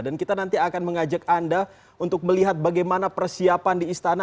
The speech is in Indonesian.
dan kita nanti akan mengajak anda untuk melihat bagaimana persiapan di istana